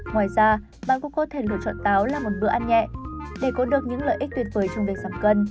ngoài ra bạn cũng có thể lựa chọn táo là một bữa ăn nhẹ để có được những lợi ích tuyệt vời trong việc giảm cân